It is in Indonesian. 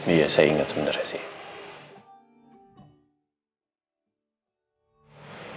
iya saya inget sebenernya sih